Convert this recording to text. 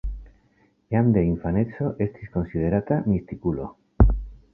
Jam de infaneco estis konsiderata mistikulo.